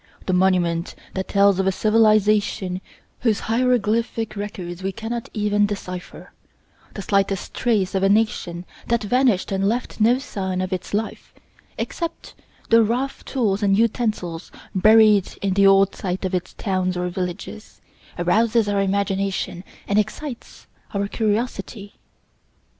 The monument that tells of a civilization whose hieroglyphic records we cannot even decipher, the slightest trace of a nation that vanished and left no sign of its life except the rough tools and utensils buried in the old site of its towns or villages, arouses our imagination and excites our curiosity.